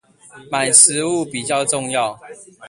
買食物比較重要